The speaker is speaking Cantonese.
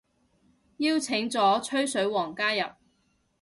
邀請咗吹水王加入